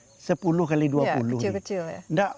ya kecil kecil ya